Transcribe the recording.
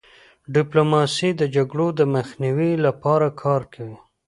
ډيپلوماسي د جګړو د مخنیوي لپاره کار کوي.